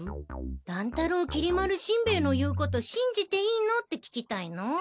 「乱太郎きり丸しんべヱの言うことしんじていいの？」って聞きたいの？